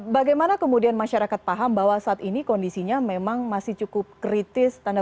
bagaimana kemudian masyarakat paham bahwa saat ini kondisinya memang masih cukup kritis